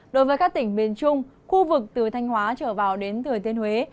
đối với các tỉnh miền trung khu vực từ thanh hóa trở vào đến thời tiên huế